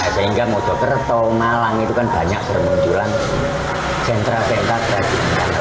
sehingga mojokerto malang itu kan banyak serunjulan sentra sentra perajin sandal